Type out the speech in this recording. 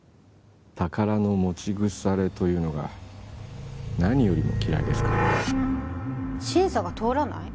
宝の持ち腐れというのが何よりも嫌いですから審査が通らない？